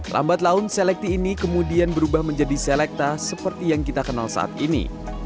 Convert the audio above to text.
lambat laun selekti ini kemudian berubah menjadi selekta seperti yang kita kenal saat ini